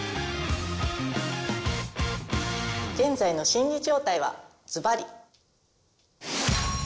現在の心理状態はズバリ。